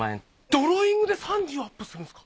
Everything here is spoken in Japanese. ドローイングで３０アップするんですか？